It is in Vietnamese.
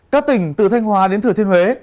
các tỉnh từ thanh hòa đến thử thiên huế